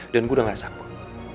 dan gue udah gak sanggup